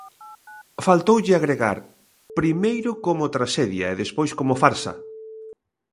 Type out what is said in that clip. Faltoulle agregar: primeiro como traxedia e despois como farsa.